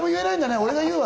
俺が言うわ！